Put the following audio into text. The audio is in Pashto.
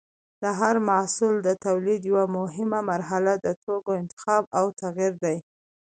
د هر محصول د تولید یوه مهمه مرحله د توکو انتخاب او تغیر دی.